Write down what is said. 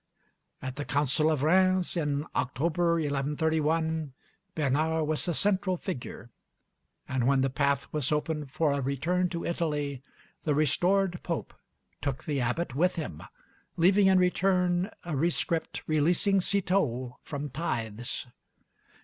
At the Council of Rheims in October 1131, Bernard was the central figure; and when the path was open for a return to Italy, the restored Pope took the abbot with him, leaving in return a rescript releasing Citeaux from tithes.